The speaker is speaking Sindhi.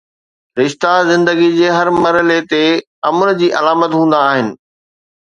رشتا زندگيءَ جي هر مرحلي تي امن جي علامت هوندا آهن.